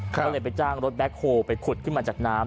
ก็เลยไปจ้างรถแบ็คโฮลไปขุดขึ้นมาจากน้ำ